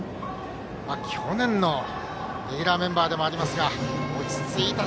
去年のレギュラーメンバーでもあります。